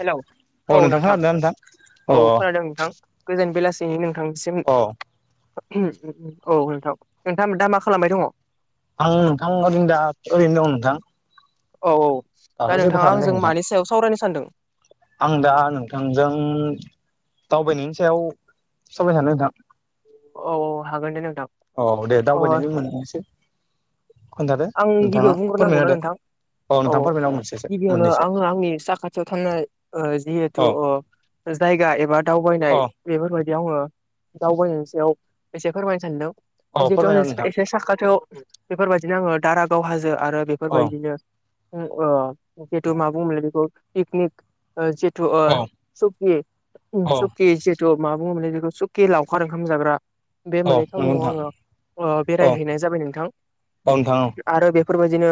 Hello औ नोंथां अ औ खोनादों नोंथां गोजोन बेलासिनि नोंथांनिसिम अ औ नोंथां नोंथां दा मा खालामबाय दङ? आं नोंथां ओरैनो दा ओरैनो दं नोंथां औ औ दाथ जेबो खालाम जायो सानदों नोंथां। आं दा नोंथांजों दावबायनायनि सायाव साबाय सानो नोंथां। औ औ हागोनदे नों औ दे दावबायनायनि मोननैसो खोन आं गिबियाव बुंग्रोनांगौना नोंथां औ नोंथां औ फोरमायना हो मोनसेसो गिबियावनो मोननैसो आङो आंनि साखाथियाव थांनाय ओ जिहेथु अ ओ जायगा एबा दावबायनाय अ बेफोरबाय बेयाव आंङो दावबायनायनि सायाव एसे फोरमायनो सानदों अ जिहेथु फोरमायना आंनि हो नोंथां एसे साखाथियाव बेफोरबायदिनो आङो दारागाव हाजो आरो अ बेफोरबायदिनो ओ जिथु मा बुंङोमोनलाय बेखौ पिकनिक ओ जिथु ओ अ सुकि अ सुकि सि मा बुङो मोनलाय बेखौ सुकि लावखार ओंखाम जाग्रा। बे मोननै नंगौ थावनियाव नोंथां आङो ओ अ बेरायहैनाय जाबाय नोंथां औ नोंथां आरो बेफो बेफोरबायदिनो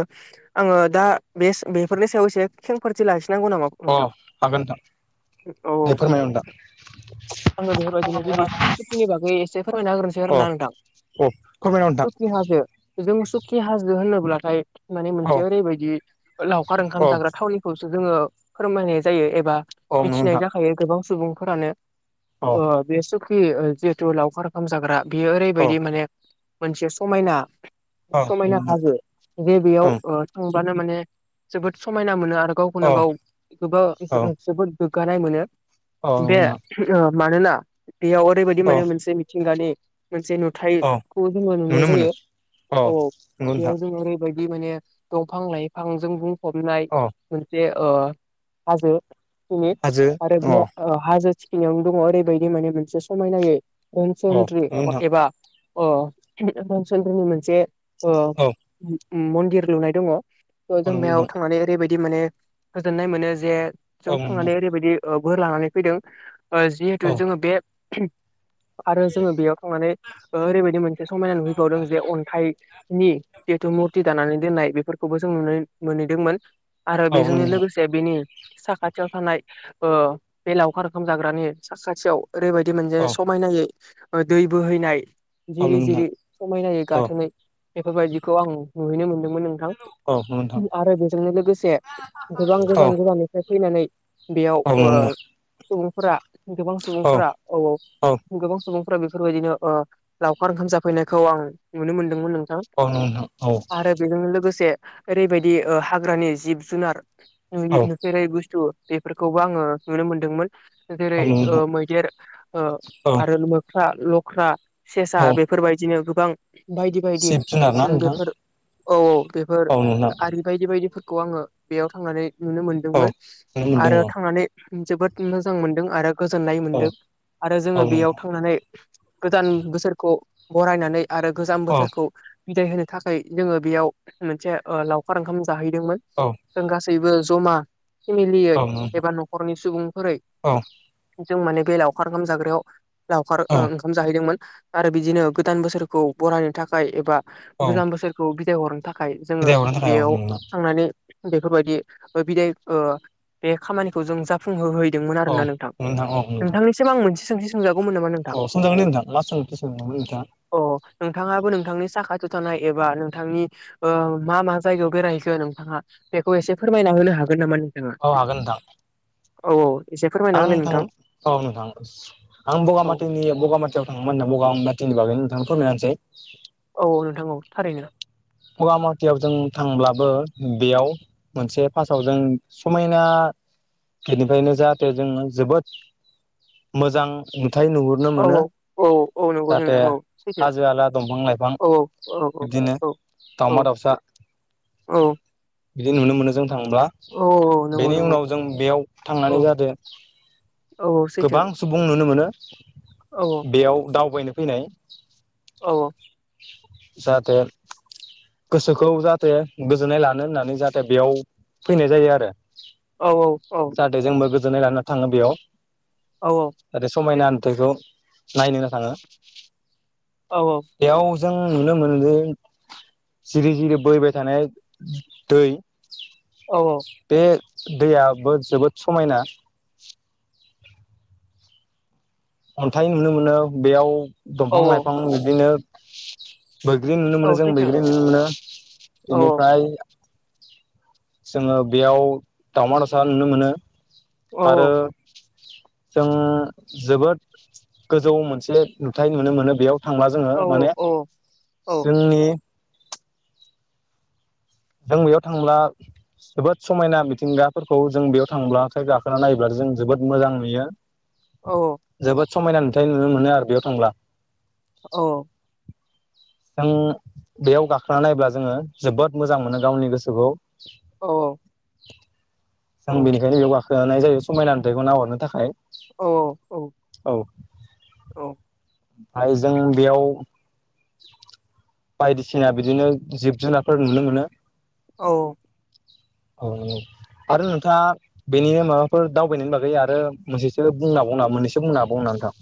आङो दा बे बेफोरनि सायाव एसे खेंफारथि ला नांगौ नामा नोंथां औ अ हागोन नोंथां औ दे फोरमाय नोंथां। आङो बेफोरबायदिनो जुदि सुकिनि बागै एसे फोरमायना होग्रोनोसै अ आरोना नोंथां। अ फोरमायना हो सुकि हाजो जों सु हाजो होनोब्लाथाय माने नोंथां अ मोनसे ओरैबायदि लावखार ओंखाम अ जाग्रा थावनिखौ जोङो फोरमायनाय जायो एबा अ नंगौ मिथिनाय नोंथां जाखायो गोबां सुबुंफोरानो अ ओ बे सुकि ओ जिहेथु लावखार ओंखाम जाग्रा बेयो अ ओरैबायदि माने मोनसे समायना अ समायना नंगौ नोंथां हाजो जे बेयाव ओं ओ थां बानो माने जोबोद समायना मोनो आरो औ गावखौनो गाव औ गोबां जोबोद गोगानाय मोनो औ नंगौ बे नोंथां ओ मानोना बेयाव ओरैबायदि औ माने मोनसे मिथिंगानि मोनसे औ नुथायाइखौ जोङो नुनाय नुनो मोनो जायो औ औ नंगौ नोंथां बेयाव जों ओरैबाय दि माने दंफां लाइफांजों बुंफबनाय औ मोनसे ओ हाजो थिखिनि हाजो आरो अ बे ओ हाजो थिखि नियावनो दङ ओरैबायदि माने मोनसे समायनायै अ नंगौ अनसन्त्रि नोंथां एबा अ राम चन्द्रनि मोनसे औ मन्दिर लुनाय दङ ओ औ जों नंगौ बेयाव नोंथां थांनानै ओरैबायदि माने गोजोननाय मोनो जे औ जों नोंथां थांनानै ओरैबायदि ओ बोर लानानै फैदों औ जिहेथु जोङो बे आरो जोङो बेयाव थांनानै ओरैबायदि मोनसे समायना नुहैबावदों जे अन्थाइ दि जिहेतु मुरति दानानै दोननाय बेफोरखौबो जों नुनो मोनहैदोंमोन आरो औ नंगौ बेजोंनि नोंथां लोगोसे बेनि साखाथियाव थानाय ओ बे लावखार ओंखोम जाग्रानि साखाथियाव ओरैबायदि मोनसेे औ समायनायै ओ दै बोहैनाय औ जिरि नंगौ नोंथां जिरि समायनायै औ नंगौ नोंथां औ गाथोनै बेफोरबायदिखौ आं नुहैनो मोनदों मोन नोंथां औ नंगौ नोंथां औ नंगौ नोंथां औ नंगौ नोंथां आरो बेजोंनि लोगोसे गोबां गोजान गोजाननिफ्राय फैनानै बेयाव ओ सुबुंफोरा गोबां सुबुंफोरा औ औ गोबां सुबुं फोरबायदिनो ओ लावखार ओंखाम जाफैनायखौ आं नुनो मोनदोंमोन नों थां आरो बेजों लोगोसे ओरैबायदि ओ हाग्रानि जिब जुनार नुफेरै बुस्थु बेफोरखौबो आङो नुनो मोनदोंमोन जेरै ओ मैदेर ओ आरो मोख्रा लख्रा सेसा औ बेफोरबायदिनो गोबां बायदि बायदि जिब जुनार ना जों नोंथां बेफोर औ औ बेफोर औ नंगौ नोंथां आरि बायदि बायदि फो खौ आङो बेयाव थांनानै नुनो औ मोनदोंमोन नुनो मोनदों आरो थांनानै जोबोद मोजां मोनदों आरो गोजोननाय औ मोनदों आरो औ जोङो बेयाव नोंथां थांनानै गोदान बोसोरखौ बरायनानै आरो गोजां औ बोथोरखौ बिदाय होनो थाखाय जोङो बेयाव मोनसे ओ लावखार ओंखाम जाहैदोंमोन औ जों गासैबो जमा फेमिलियै औ नंगौ एबा न'खरनि सुबुंफोरै नोंथां जों माने बे लावखार ओंखाम जाग्रायाव लावखार औ ओ ओंखाम जाहैदोंमोन आरो बिदिनो गोदान बोसोरखौ बरायनो थाखाय एबा औ गोजाम बोसोरखौ बिदाय हरनो थाखाय जोंङो बिदाय हरनो थाखाय औ बेयाव नंगौ नोंथां थांनानै बेफोरबायदि बिदाय ओ बे खामानिखौ जों जाफुंहोहै दोंमोन आरो औ ना नोंथां । नंगौ औ नंगौ नोंथांनिसिम आं मोनसे सोंथि सोंजागौमोन नामा नोंथां? औ सोंजागोन दे नोंथां मा सोंथि सोंदोंमोन नोंथाङा अ। नोंथांङाबो नोंथांनि साखाथियाव थानाय एबा नोंथांनि ओ मा मा जायगायाव बेरायहैखो नोंथांङा? बेखौ एसे फोरमायना होनो हागोन नामा? औव हागोन नोथां । औव औव । आं थां औ नोंथां आं औ बगामाथिनि बगामाथियाव थाङोमोन होना बगा बिनि बागै नोंथांनो फोरमायना होनिसै औव औव नोंथांङ औव थारैनो । बगामाटियाव जों थांब्लाबो बेयाव मोनसे फार्स्टआव जों समायना बेनिफ्रायनो जाहाथे जोंंङो जोबोद मोजां हाथाय नुहुरनो औ मोनो । औ औ नंगौ जाहाथे नोंथां औ सैथो हाजो हाला, दंफां लाइफां औ औ बिदिनो औ औ दावमा दाउसा औ बिदि नुनो मोनो जों थांब्ला औ औ । नंगौ बेनि नंगौ उनाव जों बेयाव औ थांनानै जाहाथे औ औ सैथो गोबां सुबुं नुनो मोनो औ औ बेयाव दावबायनो फैनाय । औ जाहाथे गोसोखौव जाहाथे गोजोननाय लानो होननानै जाहाथे बेयाव फैनाय जायो आरो । औ औ औ । गोजोननाय लानो थांङो बेयाव औ जाहाथे समायना नुथायखो नायनो नो थाङो औ बेयाव जों नुनो मोनो ज जिरि जिरि बैबाय थानाय दै औ बेेत दैयाबो जोबोद समायना। अन्थाइ नुनो मोनो। बेयाव दंफां लाइफां औ बिदिनो बैग्रि नुनो मोनो जों सैथो बैग्रि नुनो मोनो। औ औ बेनिफ्राय जोंङो बेयाव दावमा दावसा औ नुनो मोनो आरो औ जों जोबोद गोजौव मोनसे नुथाय नुनो मोनो बेयाव थांब्ला जोंङो माने जोंनि जों बेयाव थांब्ला जोबोद समायना मिथिंगाफोरखौ जों बेयाव थांब्ला थाय गाखोनानै नायोब्ला सो जों जोबोद मोजां नुयो। औव । जोबोद समायना नुथाय नुनो मोनो आरो बेयाव थांब्ला । औव । जोंङ बेयाव गाखोना नायब्ला जोंङो जोबोद मोजां मोनो गावनि गोसोखौव । औ औ। औ जों बेनिखायनो बेयाव गाखोनाय जायो समायना नुथाइखौ नाहरनो थाखाय औ औ। औ। औ ओमफ्राय जों बेयाव बायदिसिना बिदिनो जिब जुनारफोर नुनो मोनो औ औ आरो नोंथाङा बेनिनो माबाफोर दावबायनायनि बागै आरो मोनसेसो बुंना हाबावगोना मोननैसो बुंना बावना नोंथां।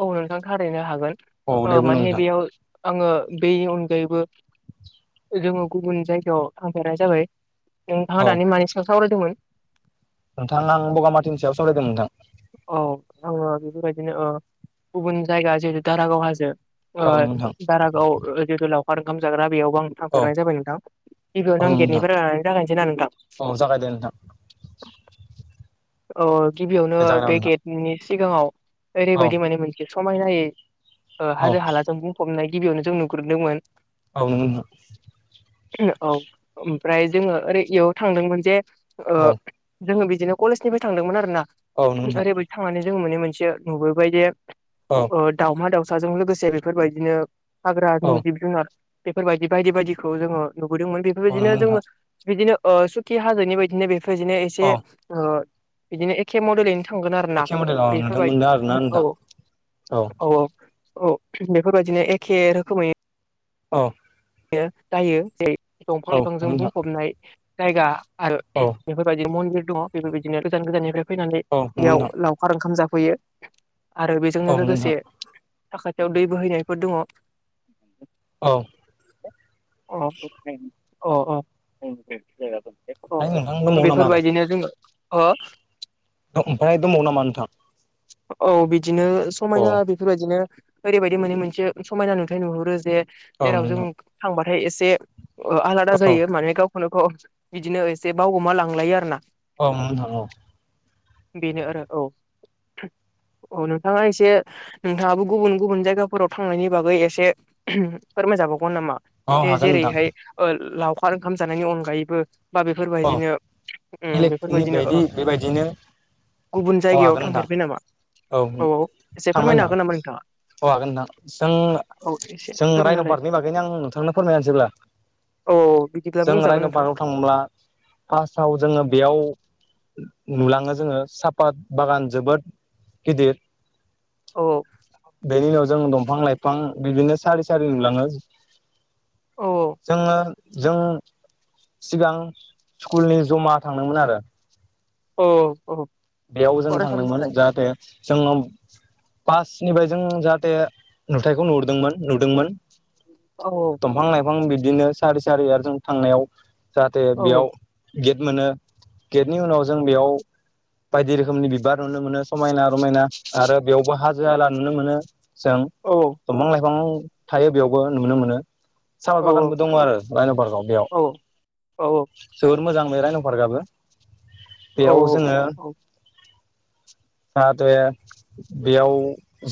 औ नोंथां थारैनो हागोन औ दे बुंनो माने नोंथां बेयाव आङो बेनि अनगायैबो जोङो गुबुन जायगायाव थांफेरा जाबाय नोंथाङा औ दानि मानि सायाव सावरायदोंमोन नोंथां आं बगामातिनि सायाव सावरायदों नोंथां। औ आङो बेफोरबायदिनो ओ गुबुन जायगा जेरु दारागाव हाजो ओ औ नोंथां दारागाव ओ जेथु लावखार ओंखाम जाग्रा बेयावबो आं औ थांफेरनाय जाबाय नोंथां औ गिबियावनो नंगौ आं नोंथां गेटनिफ्राय जागायसै ना नोंथां। औ [inaudible] अ गिबियावनो दे बे जागायना गेटनि सिगाङाव हो ओरैबायदि माने मोनसे समायनायै ओ हाजो हालाजों बुंफबनाय गिबियावनो जों नुग्रोदोंमोन। औ नोंगौ नोंथां। औ ओमफ्राय जोङो ओरै इयाव थांदोंमोन जे ओ औ जोङो बिदिनो कलेजनिफ्राय थांदोंमोन आरो ना औ नंगौ नोंथां ओरैबायदि थांनानै जों मोने मोनसे नुबोबाय जे औ ओ दावमा दाउसाजों लोगोसे बेफोरबायदिनो औ हाग्रानि नंगौ जिब जुनार बेफोरबायदि बायदि बायदिखौ जोङो नुबोदोंमोन नोंथां औ बेफोरबायदिनो नंगौ जोङो नोंथां बिदिनो ओ सुकि हाजोनि बायदिनो बेफोर बिदिनो एसे औ ओ बिदिनो एखे मडेलैनो थांगोन आरोना एखे मडेलाव नोंथां मोनदों आरोना बेफोरबायदि औ नोंथां औ औ औ बेफोरबायदिनो एखे रोखोमै अ यो जायो जे दंफां नंगौ लाइफांजों नोंथां बुंफबनाय जायगा आरो औ बेफोरबायदिनो मन्दिर दङ बेफोरबायदिनो गोजान गोजाननिफ्राय फैनानै औ नंगौ बेयाव नोंथां लावखार ओंखाम जाफै फैयो आरो औ बेजोंनो नंगौ लोगोसे नोंथां औ साखाथियाव दै बोहैनायफोर दङ। औ अ [unintelligible] अ अ उम दे [unintelligible] नोंथां अ दंबावो नामा आरो बेफोरबायदिनो जोङो ओ ओमफ्राय दंबावो नामा नोंथां। औ बिदिनो अ समायना बेफोरबायदिनो ओरैबायदि मोने मोनसे समायना नुथाय नुहरो जे औ जेराव जों नोंथां थांबाथाय एसे आलादा औ जायो माने गावखौनो गाव बिदिनो एसे बावगुमा लांलायो आरो ना। औ नोंथां औ बेनो आरो औ औ नोंथाङा एसे नोंथाङाबो गुबुन गुबुन जायगाफोराव थांनायनि बागै एसे फोरमायजाबाव गौ नामा औ दे हागोन नोंथां जेरैहाय ओ लावखार ओंखाम जानायनि अनगायैबो बा औ बेफोरबायदिनो उम बेलेगनि बेफोरबायदिनो बायदि ओ बेबायदिनो गुबुन औ जायगायाव हागोन नोंथां थांफेरबाय नामा औ एसे थांबाय फोरमायनो हागोन नोंथां नामा नोंथाङा औ हागोन नोंथां जों औ एसे जों फोरमायना रायन होलाय बारनि बागैनो आं नोंथांनो फोरमायना होसैअब्ला औ बिदिब्ला जों बुंजागोन रायन' नोंथां पार्कआव थांब्ला फार्स्टआव जोङो बेयाव नुलाङो जोङो साफात बागान जोबोद गिदिर औ बेनि उनाव जों दंफां लाइफां बिदिनो सारि सारि नुलाङो। औ जोङो जों सिगां स्कुलनि जमा थांदोंमोन आरो। औ औ बेयाव जों थांदोंमोन फरायसालिनिफ्राय जाहाथे जोंनाव पासनिफ्राय जों जाहाथे नुथायखौ नुहुरदोंमोन नुदोंमोन। औ दंफां लाइफां बिदिनो सारि सारिआर जों थांनायाव जाहाथे औ बेयाव गेट मोनो गेटनि उनाव जों बेयाव बायदि रोखोमनि बिबार नुनो मोनो समायना रमायना आरो बेयावबो हाजो हाला नुनो मोनो। जों औ दंफां लाइफां थायो बेयावबो नुनो मोनो। औ सापात बागानबो दङ आरो रायन' पार्कआव बेयाव औ जोबोद मोजां नो रायन' पार्कगाबो औ औ औ [inaudible] जाहाथे बेयाव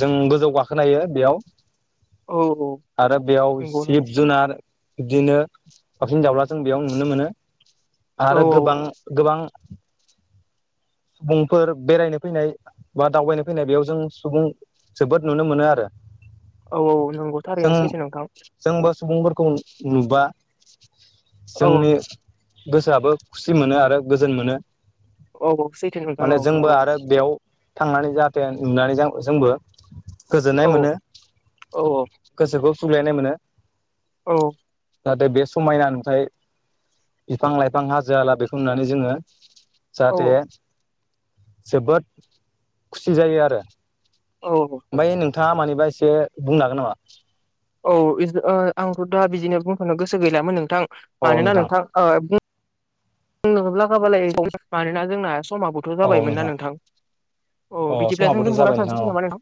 जोंबो जौ गाखोनो हायो बेयाव औ औ आरो बेयाव नंगौ नंगौ जिब जुनार इदिनो दावसिन दाउला जों बेयाव नुनो मोनो। औ आरो गोबां गोबां सुफुंफोर बेरायनो फैनाय बा दावबायनो फैनाय बेयाव जों सुबुं जोबोद नुनो मोनो आरो। औ औ नंगौ थारैनो सैथो नोंथां। खौ नुबा औ औ। जोंनि गोसोआबो खुसि मोनो आरो गोजोन मोनो। औ औ सैथो नोंथां माने औ जोंबो नंगौ आरो बेयाव थांनानै जाहाथे नुनानै जों जोंबो गोजोननाय औ मोनो औ गोसोखौ सुग्लायनाय मोनो। औ। जाहाथे बे समायना नुथाय बिफां लाइफां हाजो हाला बेखौ नुनानै जोङो औ जाहाथे जोबोद खुसि जायो आरो। औ थाङा मानिबा एसे बुंनो हागोन नामा? औ इज ओ आंथ' दा बिदिनो बुंथ'नो गोसो गैलामोन नोंथां मानोना नोंथां ओ बुं [unintelligible] लागाबालाय [unintelligible] मानोना जोंना समाबोथ' जाबायमोनना नोंथां अ बिदिब्ला [unintelligible] समाबोथ' जाबाय औ नामा नोंथां।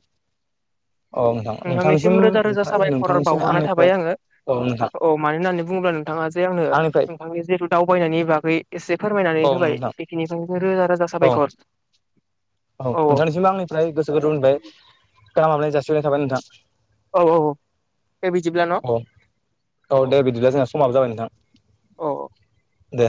औ नोंथां नोंथांसिम नोंथांनिसिम रोजा रोजा ओमफ्राय साबायखर नोंथांनिसिम बावहरनाय आंनिफ्राय थाबाय आङो। औ नोंथां औ मानो होननानै बुङोब्ला नोंथाङा जे आंनो आंनिफ्राय नोंथांनि जिहेथु दावबायनायनि बागै एसे फोरमायनानै औ होबाय नोंथां बेखिनि [unintelligible] रोजा रोजा औ साबायखर। औ नोंथांनिसिमबो आंनिफ्राय गोसो [unintelligible] गाहाम हामलायनाय जासिहरनाय थाबाय नोंथां। औ औ दे बिदिब्ला न' [inaudible] अ औ दे बिदिब्ला जोंना समाबो जाबाय नोंथां। औ दे।